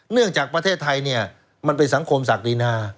จากประเทศไทยเนี่ยมันเป็นสังคมศักดินา